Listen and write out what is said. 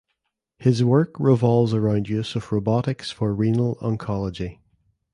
His work revolves around use of robotics for renal oncology.